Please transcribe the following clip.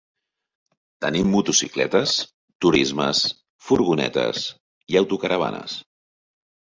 Tenim motocicletes, turismes, furgonetes i autocaravanes.